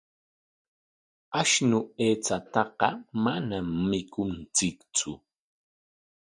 Ashnu aychataqa manam mikunchiktsu.